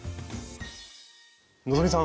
希さん